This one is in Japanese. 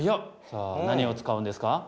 さあ何を使うんですか？